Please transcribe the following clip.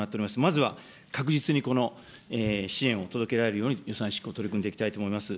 まずは確実にこの支援を届けられるように、予算執行に取り組んでまいりたいと思います。